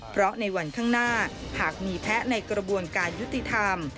เพราะในวันข้างหน้าหากมีแพ้ในกระบวนการยุติธรรม